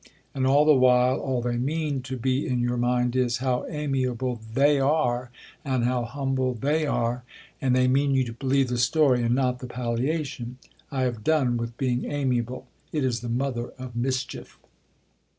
And all the while all they mean to be in your mind is, how amiable they are and how humble they are, and they mean you to believe the story and not the palliation.... I have done with being amiable. It is the mother of mischief.